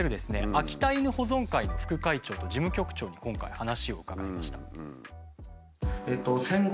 秋田犬保存会の副会長と事務局長に今回話を伺いました。